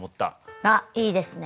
あっいいですね。